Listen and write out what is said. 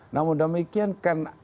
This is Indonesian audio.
namun demikian kan